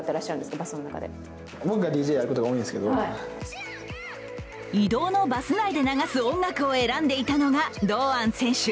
僕がＤＪをやることが多いんですけど移動のバス内で流す音楽を選んでいたのが堂安選手。